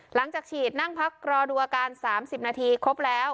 หลังจากฉีดนั่งพักรอดูอาการ๓๐นาทีครบแล้ว